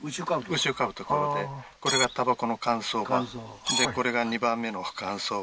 牛を飼う所でこれがタバコの乾燥場でこれが２番目の乾燥場